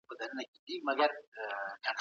ایا نوي کروندګر شین ممیز ساتي؟